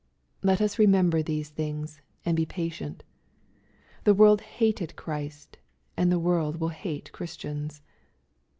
Let us remember these things, and be patient. The world hated Christ, and the world will hate Christians.